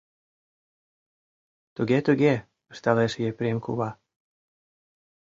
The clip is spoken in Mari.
— Туге, туге, — ышталеш Епрем кува.